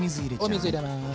お水入れます。